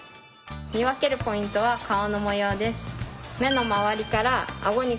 見分けるポイントは顔の模様です。